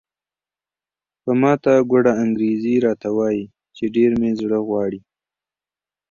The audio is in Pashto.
په ماته ګوډه انګریزي راته وایي چې ډېر مې زړه غواړي.